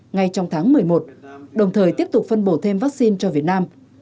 ngay trong tháng một mươi một đồng thời tiếp tục phân bổ thêm vaccine cho việt nam